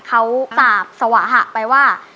เขากราบสวะหะไปว่า